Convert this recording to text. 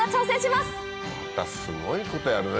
またすごいことやるね。